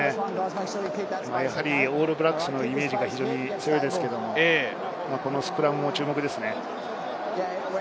やはりオールブラックスのイメージが非常に強いですけれど、このスクラムも注目ですね。